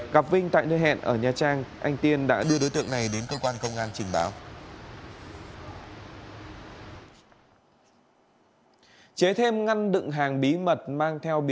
gặp vinh tại nơi hẹn ở nha trang anh tiên đã đưa đối tượng này đến cơ quan công an trình báo